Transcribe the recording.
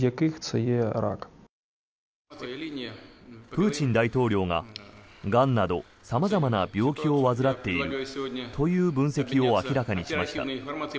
プーチン大統領ががんなど様々な病気を患っているという分析を明らかにしました。